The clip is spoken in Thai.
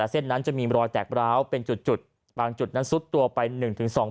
เส้นนั้นจะมีรอยแตกร้าวเป็นจุดบางจุดนั้นซุดตัวไปหนึ่งถึงสอง